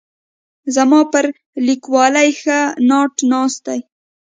زما پر لیکوالۍ ښه ناټ ناست دی.